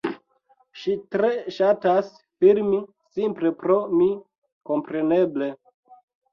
Ŝi tre ŝatas filmi simple pro mi, kompreneble